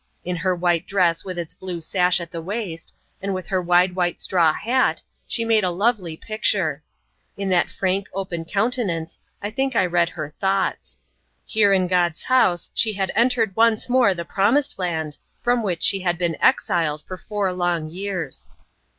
In her white dress with its blue sash at the waist, and with her wide white straw hat, she made a lovely picture. In that frank open countenance I think I read her thoughts. Here in God's house she had entered once more the Promised Land from which she had been exiled for four long years!